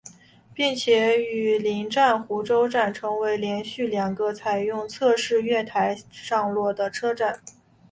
并且与邻站壶川站成为连续两个采用侧式月台上落的车站。